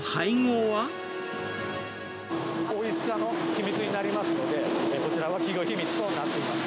おいしさの秘密になりますので、こちらは企業秘密となっています。